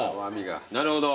なるほど。